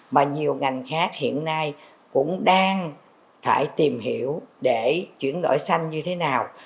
mà nhiều ngành khác hiện nay cũng đang phải tìm hiểu để chuyển đổi xanh như thế nào